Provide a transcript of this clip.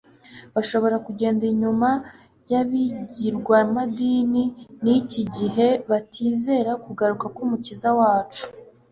bashobora kugenda inyuma y'ab'ingirwamadini b'iki gihe batizera kugaruka k'umukiza wacu